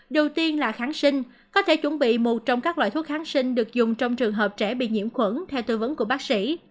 đầu tiên là kháng sinh có thể chuẩn bị một trong các loại thuốc kháng sinh được dùng trong trường hợp trẻ bị nhiễm khuẩn theo tư vấn của bác sĩ